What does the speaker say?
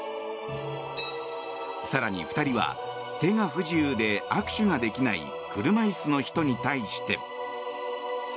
更に２人は手が不自由で握手ができない車椅子の人に対して。